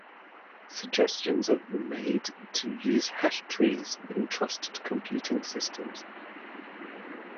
Suggestions have been made to use hash trees in trusted computing systems.